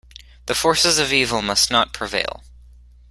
The forces of evil must not prevail.